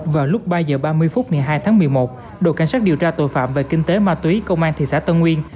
vào lúc ba h ba mươi phút ngày hai tháng một mươi một đội cảnh sát điều tra tội phạm về kinh tế ma túy công an thị xã tân nguyên